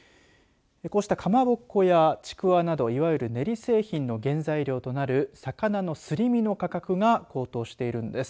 こうしたかまぼこや、ちくわなどいわゆる、練り製品の原材料となる魚のすり身の価格が高騰しているんです。